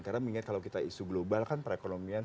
karena mengingat kalau kita isu global kan perekonomian